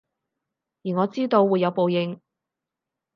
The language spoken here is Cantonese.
而我知道會有報應